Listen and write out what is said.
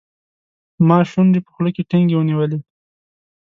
ما شونډې په خوله کې ټینګې ونیولې.